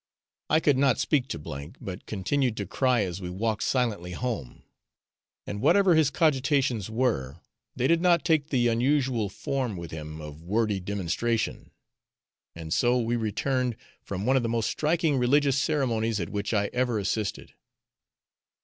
I could not speak to , but continued to cry as we walked silently home; and whatever his cogitations were, they did not take the unusual form with him of wordy demonstration, and so we returned from one of the most striking religious ceremonies at which I ever assisted.